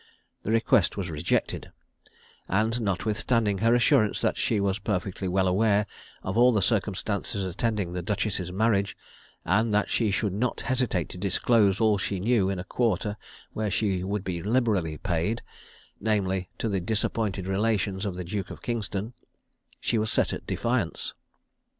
The request was rejected; and, notwithstanding her assurance that she was perfectly well aware of all the circumstances attending the duchess's marriage, and that she should not hesitate to disclose all she knew in a quarter where she would be liberally paid namely, to the disappointed relations of the Duke of Kingston she was set at defiance.